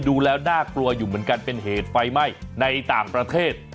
ดูแล้วน่ากลัวอยู่เหมือนกันเป็นเหตุไฟไหม้ในต่างประเทศ